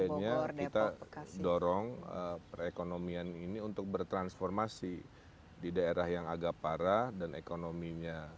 jadi akhirnya kita dorong perekonomian ini untuk bertransformasi di daerah yang agak parah dan ekonominya